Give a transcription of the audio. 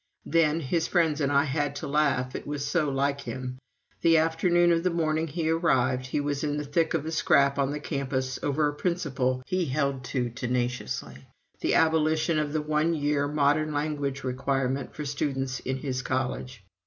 Then his friends and I had to laugh, it was so like him the afternoon of the morning he arrived, he was in the thick of a scrap on the campus over a principle he held to tenaciously the abolition of the one year modern language requirement for students in his college.